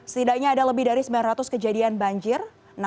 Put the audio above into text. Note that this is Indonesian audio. setidaknya ada lebih dari sembilan ratus kejadian banjir